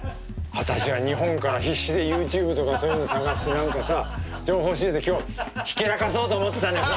私は日本から必死でＹｏｕＴｕｂｅとかそういうの探して何かさ情報仕入れて今日ひけらかそうと思ってたのにさ。